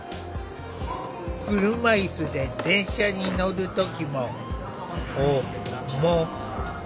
車いすで電車に乗る時も“お・も・て・な・し”。